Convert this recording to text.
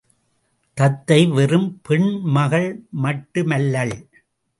தத்தை வெறும் பெண் மகள் மட்டுமல்லள்.